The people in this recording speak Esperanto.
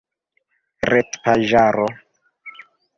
retpaĝaro